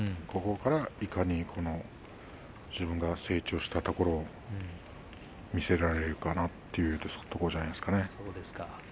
ここから、いかに自分が成長したところを見せられるかなというところじゃないですかね。